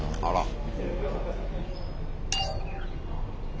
あら！